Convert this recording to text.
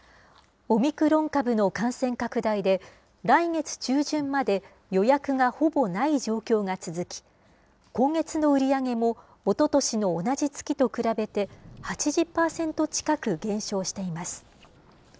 オミクロン株の感染拡大で、来月中旬まで予約がほぼない状況が続き、今月の売り上げもおととしの同じ月と比べて８０％近く減少しています。